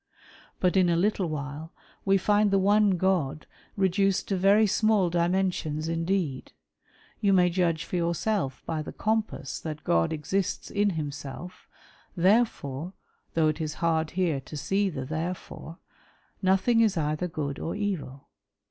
But in a little while, we find the '' one God " reduced to very small dimensions indeed. You may judge for yourself by the Compass that God exists in himself, " therefore "— though it is hard here to see the therefore —" nothing is either good or evil."